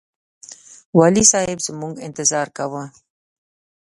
والي صاحب زموږ انتظار کاوه.